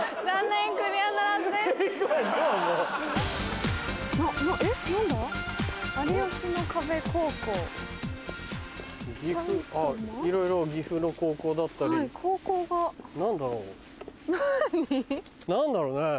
何だろう？